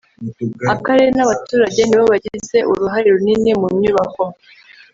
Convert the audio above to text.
akarere n’abaturage nibo bagize uruhare runini mu nyubako